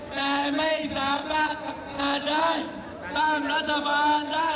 แต่ไม่สามารถทำงานได้ตั้งรัฐบาลได้มาก